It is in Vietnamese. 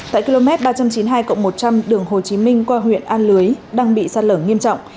tại km ba trăm chín mươi hai một trăm linh đường hồ chí minh qua huyện a lưới đang bị sạt lở nghiêm trọng